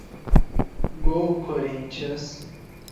Go Corinthians!!